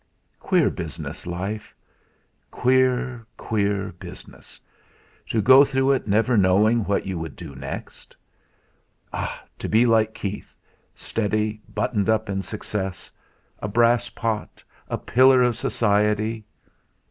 Queer business, life queer, queer business! to go through it never knowing what you would do next. Ah! to be like Keith, steady, buttoned up in success; a brass pot, a pillar of society!